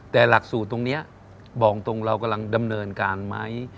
แต่หลักสูตรตรงนี้บอกตรงเรากำลังดำเนินการไหม